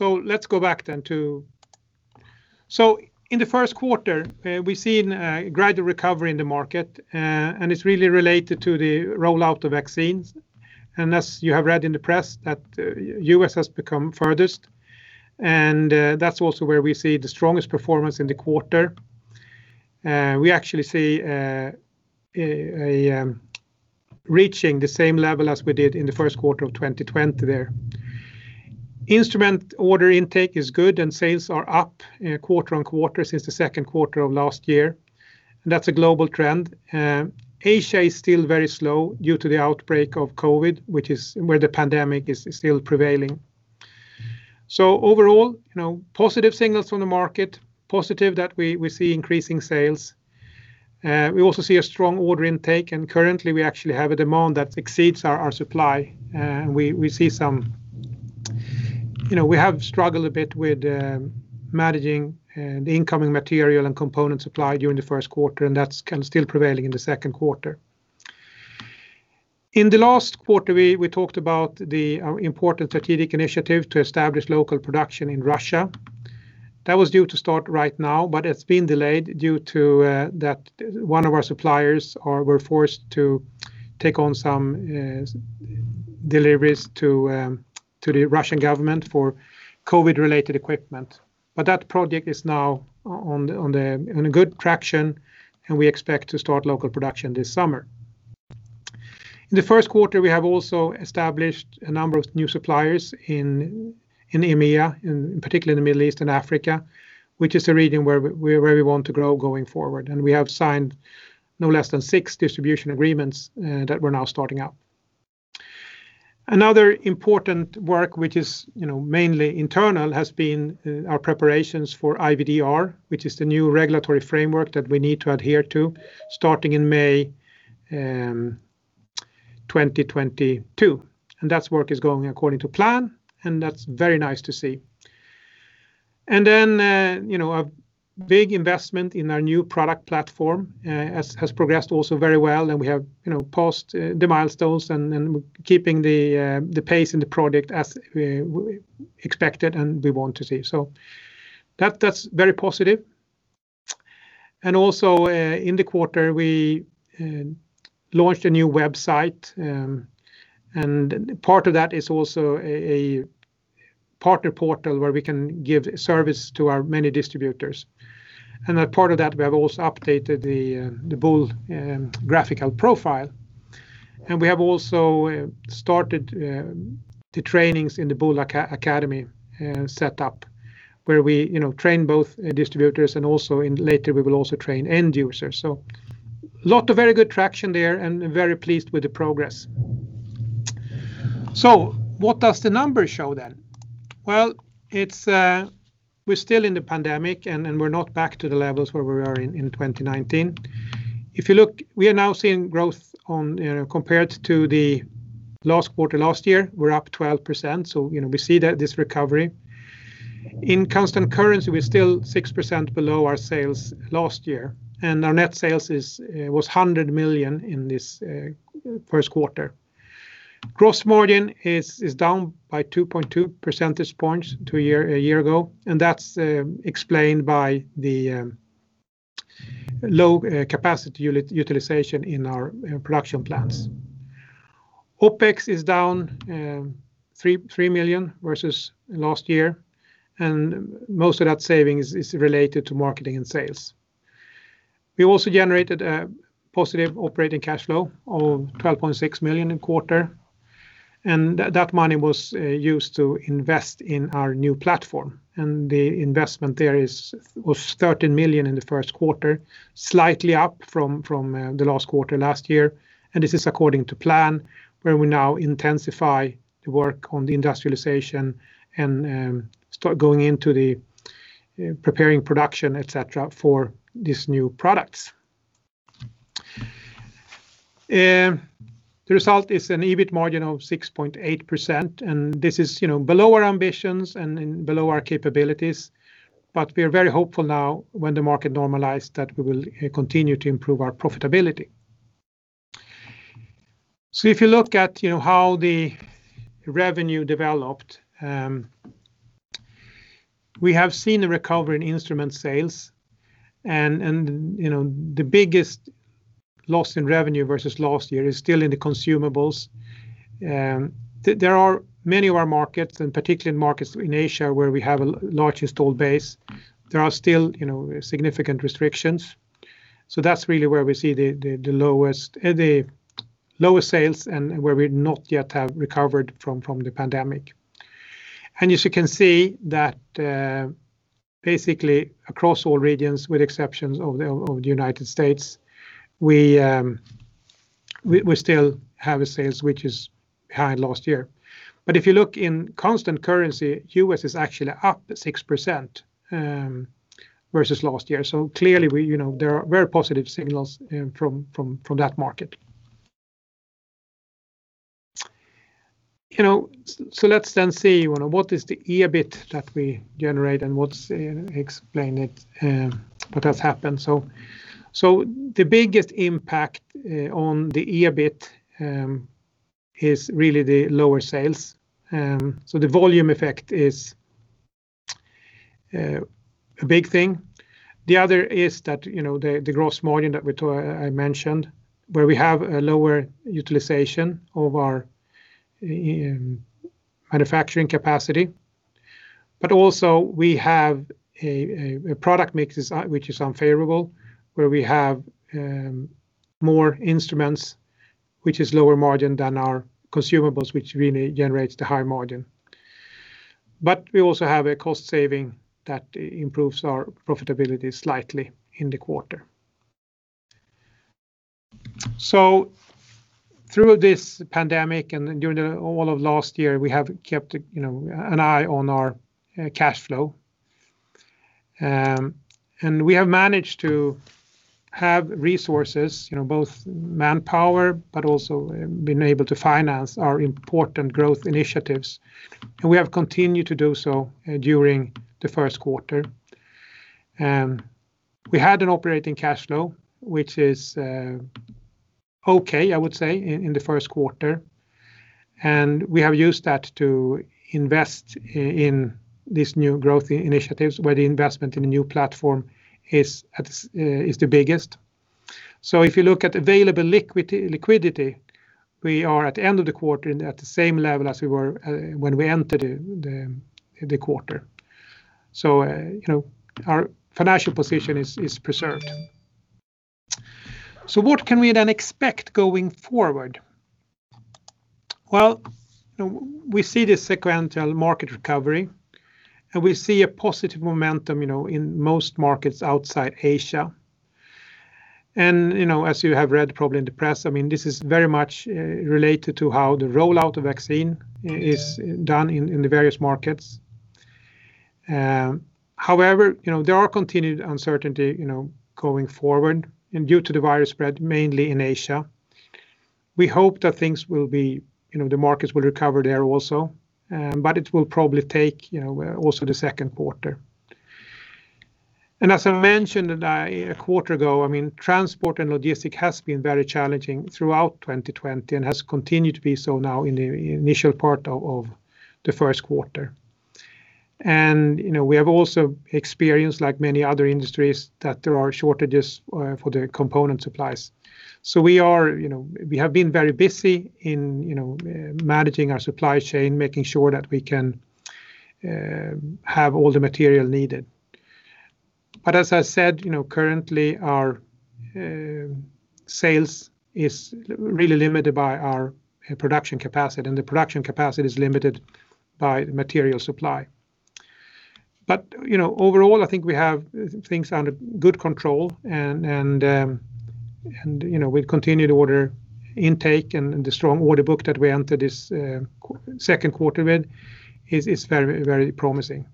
Let's go back. In the first quarter, we've seen a gradual recovery in the market. It's really related to the rollout of vaccines. As you have read in the press, the U.S. has come furthest. That's also where we see the strongest performance in the quarter. We actually see it reaching the same level as we did in the first quarter of 2020 there. Instrument order intake is good. Sales are up quarter-on-quarter since the second quarter of last year. That's a global trend. Asia is still very slow due to the outbreak of COVID, where the pandemic is still prevailing. Overall, positive signals from the market, positive that we see increasing sales. We also see a strong order intake. Currently we actually have a demand that exceeds our supply. We have struggled a bit with managing the incoming material and component supply during the first quarter, and that's still prevailing in the second quarter. In the last quarter, we talked about the important strategic initiative to establish local production in Russia. That was due to start right now, but it's been delayed due to one of our suppliers were forced to take on some deliveries to the Russian government for COVID-related equipment. That project is now on good traction, and we expect to start local production this summer. In the first quarter, we have also established a number of new suppliers in EMEA, particularly in the Middle East and Africa, which is a region where we want to grow going forward. We have signed no less than six distribution agreements that we're now starting up. Another important work, which is mainly internal, has been our preparations for IVDR, which is the new regulatory framework that we need to adhere to starting in May 2022. That work is going according to plan, and that's very nice to see. A big investment in our new product platform has progressed also very well, and we have passed the milestones and keeping the pace in the product as expected and we want to see. That's very positive. Also in the quarter, we launched a new website. Part of that is also a partner portal where we can give service to our many distributors. Part of that, we have also updated the Boule graphical profile. We have also started the trainings in the Boule Academy set up where we train both distributors and also later we will also train end users. Lot of very good traction there and very pleased with the progress. What does the numbers show then? We're still in the pandemic, and we're not back to the levels where we were in 2019. If you look, we are now seeing growth compared to the last quarter last year. We're up 12%, so we see this recovery. In constant currency, we're still 6% below our sales last year, and our net sales was 100 million in this first quarter. Gross margin is down by 2.2 percentage points to a year ago, and that's explained by the low capacity utilization in our production plants. OPEX is down 3 million versus last year, and most of that saving is related to marketing and sales. We also generated a positive operating cash flow of 12.6 million in quarter, and that money was used to invest in our new platform. The investment there was 13 million in the first quarter, slightly up from the last quarter last year. This is according to plan, where we now intensify the work on the industrialization and start going into the preparing production, et cetera, for these new products. The result is an EBIT margin of 6.8%, and this is below our ambitions and below our capabilities. We are very hopeful now when the market normalize that we will continue to improve our profitability. If you look at how the revenue developed, we have seen a recovery in instrument sales, and the biggest loss in revenue versus last year is still in the consumables. There are many of our markets, and particularly in markets in Asia where we have a large installed base, there are still significant restrictions. That's really where we see the lowest sales and where we've not yet have recovered from the pandemic. As you can see that basically across all regions, with exceptions of the U.S., we still have a sales which is behind last year. If you look in constant currency, U.S. is actually up 6% versus last year. Clearly, there are very positive signals from that market. Let's then see what is the EBIT that we generate and what explain it, what has happened. The biggest impact on the EBIT is really the lower sales. The volume effect is a big thing. The other is the gross margin that I mentioned, where we have a lower utilization of our manufacturing capacity. Also we have a product mix which is unfavorable, where we have more instruments, which is lower margin than our consumables, which really generates the high margin. We also have a cost saving that improves our profitability slightly in the quarter. Through this pandemic and during all of last year, we have kept an eye on our cash flow. We have managed to have resources, both manpower, but also been able to finance our important growth initiatives. We have continued to do so during the first quarter. We had an operating cash flow, which is okay, I would say, in the first quarter. We have used that to invest in these new growth initiatives, where the investment in the new platform is the biggest. If you look at available liquidity, we are at the end of the quarter and at the same level as we were when we entered the quarter. Our financial position is preserved. What can we then expect going forward? Well, we see this sequential market recovery, and we see a positive momentum in most markets outside Asia. As you have read probably in the press, this is very much related to how the rollout of vaccine is done in the various markets. However, there are continued uncertainty going forward and due to the virus spread mainly in Asia. We hope that the markets will recover there also, but it will probably take also the second quarter. As I mentioned a quarter ago, transport and logistic has been very challenging throughout 2020 and has continued to be so now in the initial part of the first quarter. We have also experienced, like many other industries, that there are shortages for the component supplies. We have been very busy in managing our supply chain, making sure that we can have all the material needed. As I said, currently our sales is really limited by our production capacity, and the production capacity is limited by material supply. Overall, I think we have things under good control and with continued order intake and the strong order book that we entered this second quarter with is very promising.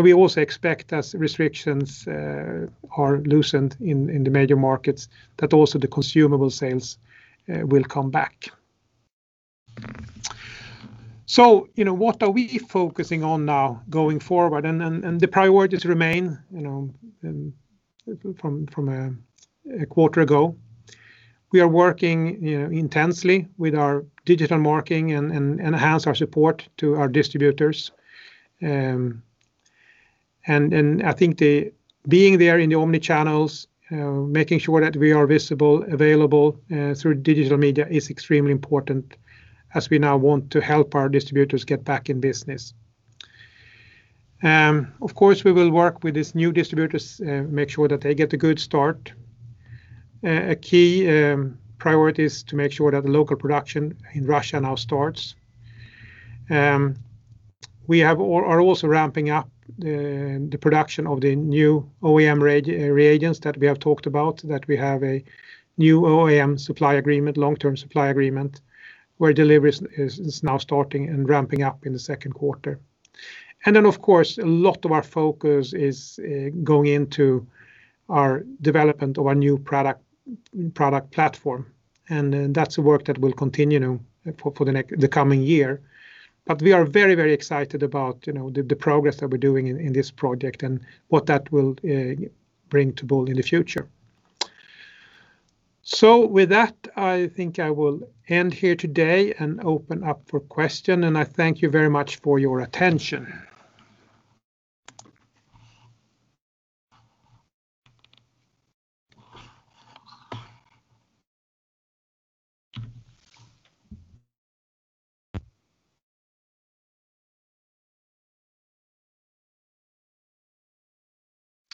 We also expect as restrictions are loosened in the major markets that also the consumable sales will come back. What are we focusing on now going forward? The priorities remain from a quarter ago. We are working intensely with our digital marketing and enhance our support to our distributors. I think being there in the omnichannels, making sure that we are visible, available through digital media is extremely important as we now want to help our distributors get back in business. Of course, we will work with these new distributors, make sure that they get a good start. A key priority is to make sure that the local production in Russia now starts. We are also ramping up the production of the new OEM reagents that we have talked about, that we have a new OEM supply agreement, long-term supply agreement, where deliveries is now starting and ramping up in the second quarter. Of course, a lot of our focus is going into our development of our new product platform, and that's work that will continue for the coming year. We are very excited about the progress that we're doing in this project and what that will bring to Boule in the future. With that, I think I will end here today and open up for question, and I thank you very much for your attention.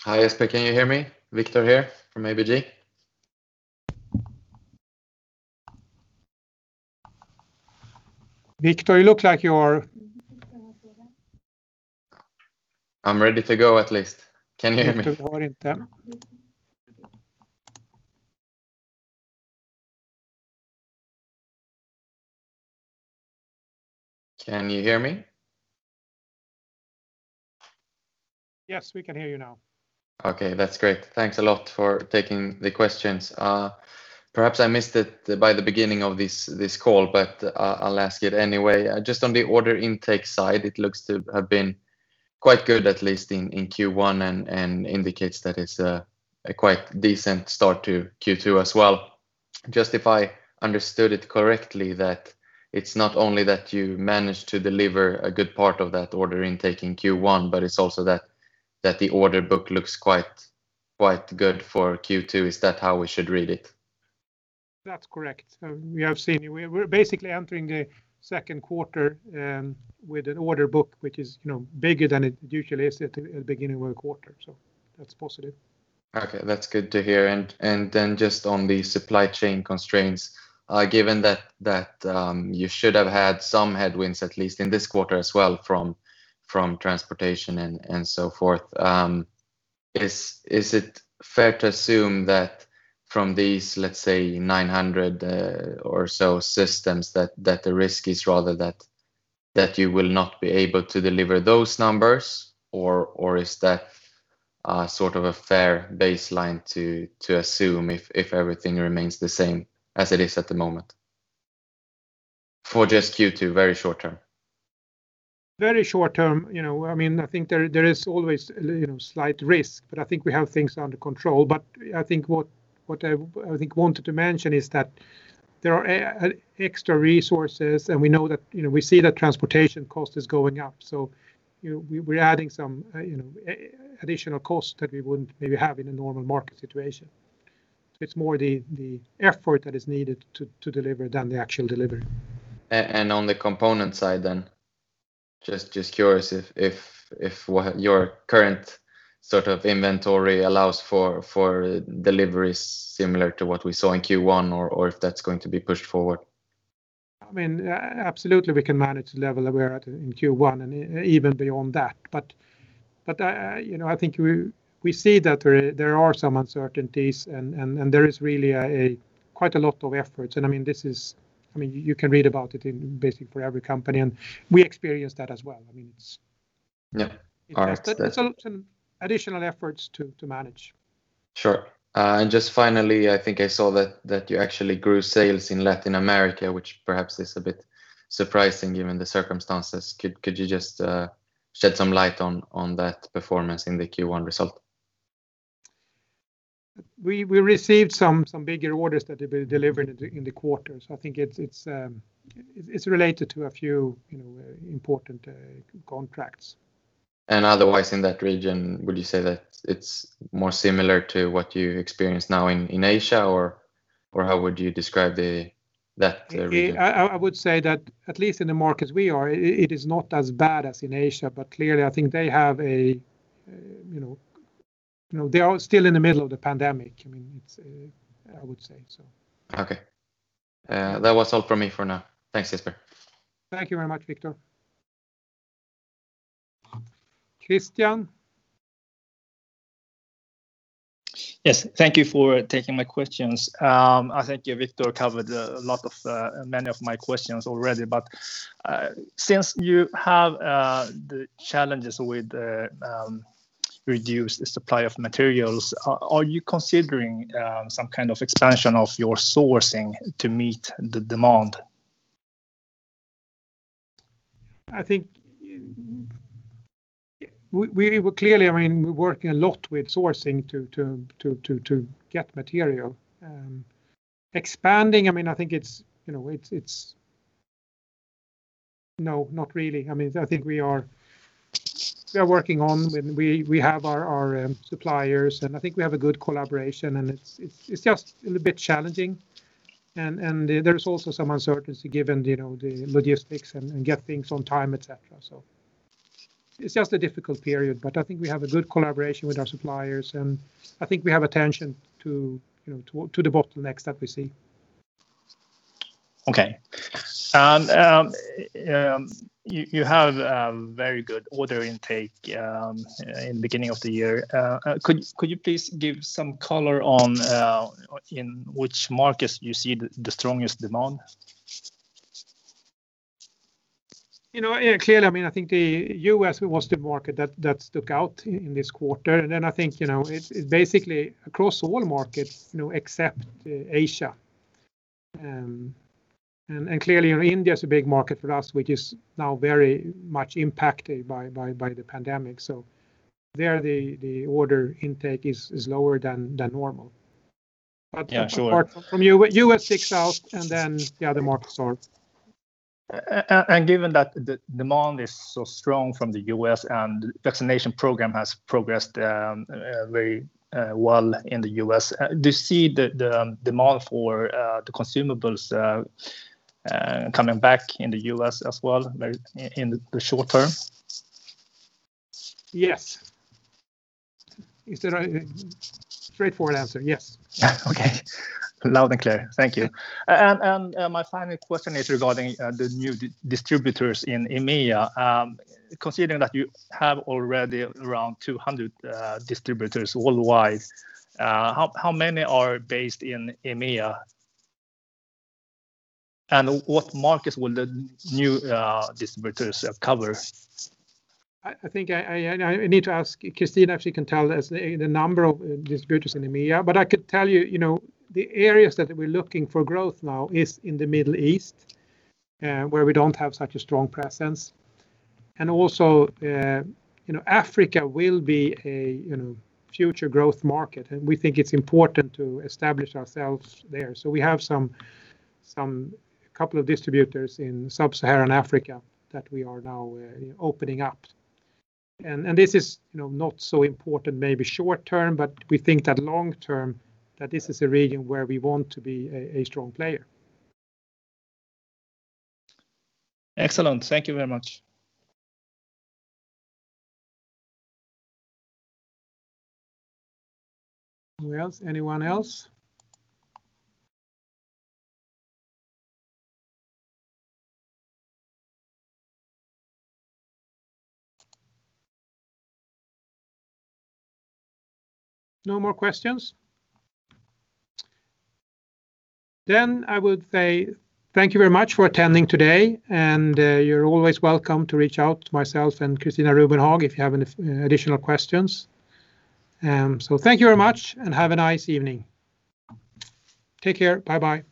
Hi, Jesper, can you hear me? Victor here from ABG. Victor, you look like you're... I'm ready to go at least. Can you hear me? Victor... [inaudible] Can you hear me? Yes, we can hear you now. Okay, that's great. Thanks a lot for taking the questions. Perhaps I missed it by the beginning of this call, but I'll ask it anyway. Just on the order intake side, it looks to have been quite good, at least in Q1, and indicates that it's a quite decent start to Q2 as well. Just if I understood it correctly, that it's not only that you managed to deliver a good part of that order intake in Q1, but it's also that the order book looks quite good for Q2. Is that how we should read it? That's correct. We're basically entering the second quarter with an order book, which is bigger than it usually is at the beginning of a quarter. That's positive. Okay. That's good to hear. Just on the supply chain constraints, given that you should have had some headwinds, at least in this quarter as well from transportation and so forth. Is it fair to assume that from these, let's say, 900 or so systems that the risk is rather that you will not be able to deliver those numbers? Is that a fair baseline to assume if everything remains the same as it is at the moment? For just Q2, very short term. Very short term, I think there is always slight risk, but I think we have things under control. I think what I wanted to mention is that there are extra resources, and we see that transportation cost is going up. We're adding some additional cost that we wouldn't maybe have in a normal market situation. It's more the effort that is needed to deliver than the actual delivery. On the component side then, just curious if your current sort of inventory allows for deliveries similar to what we saw in Q1 or if that's going to be pushed forward. Absolutely, we can manage the level that we are at in Q1 and even beyond that. I think we see that there are some uncertainties and there is really quite a lot of effort. You can read about it in basically for every company, and we experience that as well. Yeah. All right. It's some additional efforts to manage. Sure. Just finally, I think I saw that you actually grew sales in Latin America, which perhaps is a bit surprising given the circumstances. Could you just shed some light on that performance in the Q1 result? We received some bigger orders that will be delivered in the quarter. I think it's related to a few important contracts. Otherwise, in that region, would you say that it's more similar to what you experience now in Asia, or how would you describe that region? I would say that at least in the markets we are, it is not as bad as in Asia, but clearly, I think they are still in the middle of the pandemic, I would say so. Okay. That was all from me for now. Thanks, Jesper. Thank you very much, Victor. Christian? Yes. Thank you for taking my questions. I think Victor covered many of my questions already. Since you have the challenges with the reduced supply of materials, are you considering some kind of expansion of your sourcing to meet the demand? Clearly, we're working a lot with sourcing to get material. Expanding, no, not really. I think we are working on when we have our suppliers, and I think we have a good collaboration and it's just a bit challenging. There's also some uncertainty given the logistics and get things on time, et cetera. It's just a difficult period, but I think we have a good collaboration with our suppliers, and I think we have attention to the bottlenecks that we see. Okay. You have very good order intake in beginning of the year. Could you please give some color on in which markets you see the strongest demand? Clearly, I think the U.S. was the market that stuck out in this quarter. I think, it's basically across all markets, except Asia. Clearly, India is a big market for us, which is now very much impacted by the pandemic. There, the order intake is lower than normal. Yeah, sure. Apart from U.S. sticks out, and then the other markets. Given that the demand is so strong from the U.S. and vaccination program has progressed very well in the U.S., do you see the demand for the consumables coming back in the U.S. as well, in the short term? Yes. Straightforward answer, yes. Okay. Loud and clear. Thank you. My final question is regarding the new distributors in EMEA. Considering that you have already around 200 distributors worldwide, how many are based in EMEA? What markets will the new distributors cover? I think I need to ask Christina if she can tell us the number of distributors in EMEA. I could tell you, the areas that we're looking for growth now is in the Middle East, where we don't have such a strong presence. Also, Africa will be a future growth market, and we think it's important to establish ourselves there. We have a couple of distributors in sub-Saharan Africa that we are now opening up. This is not so important, maybe short term, but we think that long term, that this is a region where we want to be a strong player. Excellent. Thank you very much. Anyone else? No more questions? I would say thank you very much for attending today, and you're always welcome to reach out to myself and Christina Rubenhag if you have any additional questions. Thank you very much, and have a nice evening. Take care. Bye-bye.